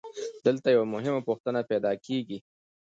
دلته یوه مهمه پوښتنه پیدا کېږي